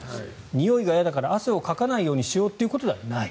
においが嫌だから汗をかかないようにしようということではない。